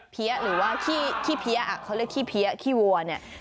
ี้ยหรือว่าขี้เพี้ยเขาเรียกขี้เพี้ยขี้วัวเนี่ย